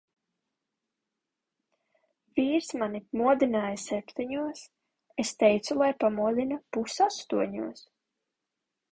Vīrs mani modināja septiņos, es teicu, lai pamodina pus astoņos.